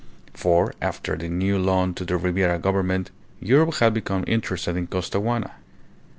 For, after the new loan to the Ribiera Government, Europe had become interested in Costaguana.